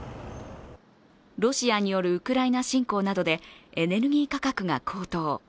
ロシアによるウクライナ侵攻などでエネルギー価格が高騰。